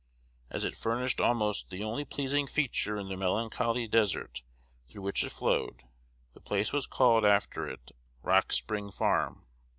As it furnished almost the only pleasing feature in the melancholy desert through which it flowed, the place was called after it, "Rock Spring Farm."